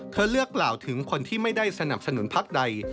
เธอเลือกกล่าวถึงคนที่ไม่ได้สนับสนุนพักใด